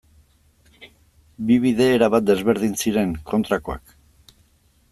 Bi bide erabat desberdin ziren, kontrakoak.